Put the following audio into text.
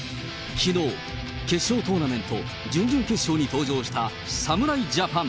きのう、決勝トーナメント準々決勝に登場した侍ジャパン。